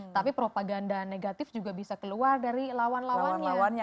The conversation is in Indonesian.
tapi propaganda negatif juga bisa keluar dari lawan lawan lawannya